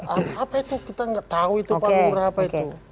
apa itu kita tidak tahu itu pak lurah apa itu